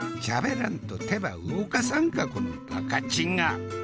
しゃべらんと手ば動かさんかこのバカチンが！